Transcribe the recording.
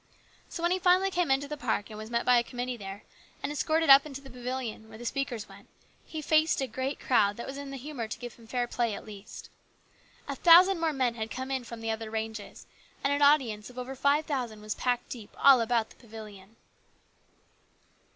So when he finally came into the park and was met by a committee there, and escorted up into the pavilion where the speakers went, he faced a great crowd that was in the humour to give him fair play at least. A thousand more men had come in from the other ranges, and an audience of over five thousand was packed deep all about the pavilion.